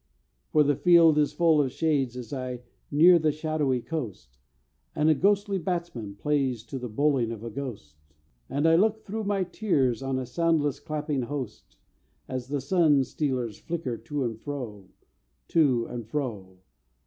For the field is full of shades as I near the shadowy coast, And a ghostly batsman plays to the bowling of a ghost, And I look through my tears on a soundless clapping host As the run stealers flicker to and fro, To and fro.